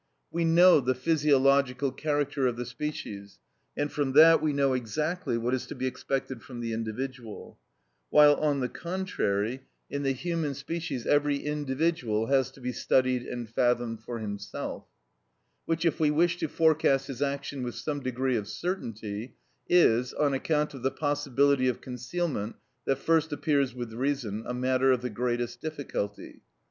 We know the physiological character of the species, and from that we know exactly what is to be expected from the individual; while, on the contrary, in the human species every individual has to be studied and fathomed for himself, which, if we wish to forecast his action with some degree of certainty, is, on account of the possibility of concealment that first appears with reason, a matter of the greatest difficulty.